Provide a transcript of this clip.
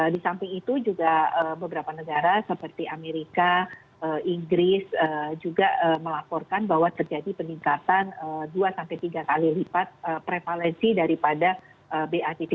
di samping itu juga beberapa negara seperti amerika inggris juga melaporkan bahwa terjadi peningkatan dua tiga kali lipat prevalensi daripada ba tiga